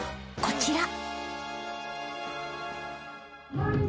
［こちら］